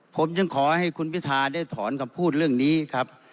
ผมจึงขอให้คุณพิทาได้ถอนคำพูดเรื่องนี้ครับ